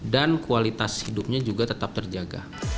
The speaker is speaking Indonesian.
dan kualitas hidupnya juga tetap terjaga